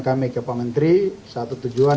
kami ke pak menteri satu tujuan